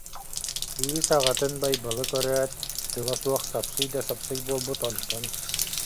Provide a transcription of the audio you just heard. Кыыс аҕатын Байбалы көрөөт, тыла суох сапсый да сапсый буолбут, онтон: